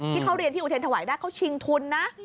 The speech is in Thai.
ที่เขาเรียนที่อุเทรนถวายได้เขาชิงทุนนะ